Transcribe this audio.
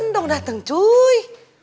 dong dateng cuy